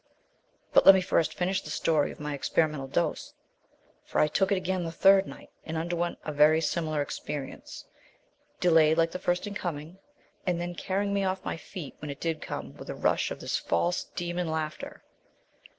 "But, let me first finish the story of my experimental dose, for I took it again the third night, and underwent a very similar experience, delayed like the first in coming, and then carrying me off my feet when it did come with a rush of this false demon laughter.